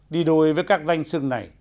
đi đổi với các danh sừng này